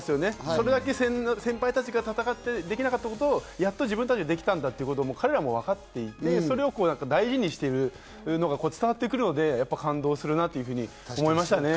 それだけ先輩たちが戦ってできなかったことを自分たちができたとわかっていて、それを大事にしているのが伝わってくるので、やっぱり感動するなと思いましたね。